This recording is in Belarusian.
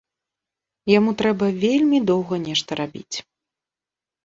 Яму трэба вельмі доўга нешта рабіць.